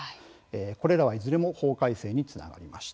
これらはいずれも法改正につながりました。